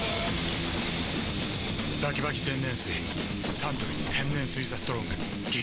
サントリー天然水「ＴＨＥＳＴＲＯＮＧ」激泡